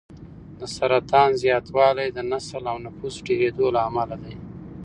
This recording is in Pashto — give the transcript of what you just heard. د سرطان زیاتوالی د نسل او نفوس ډېرېدو له امله دی.